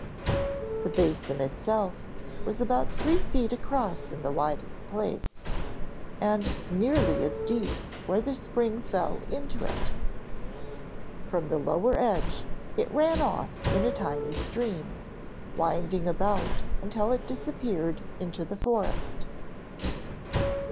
The basin itself was about three feet across in the widest place, and nearly as deep where the spring fell into it. From the lower edge it ran off in a tiny stream, winding about until it disappeared into the forest.